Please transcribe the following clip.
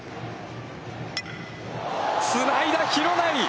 つないだ廣内。